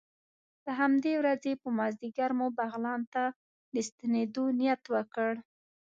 د همدې ورځې په مازدیګر مو بغلان ته د ستنېدو نیت وکړ.